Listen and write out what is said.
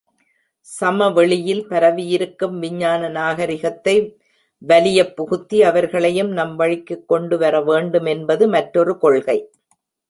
சமவெளியில் பரவியிருக்கும் விஞ்ஞான நாகரிகத்தை வலியப் புகுத்தி, அவர்களையும் நம் வழிக்குக் கொண்டு வரவேண்டும் என்பது மற்றொரு கொள்கை.